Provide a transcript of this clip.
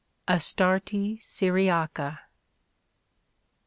(Astarte Syriaca.)